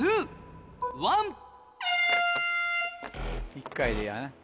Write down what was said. １回でやな。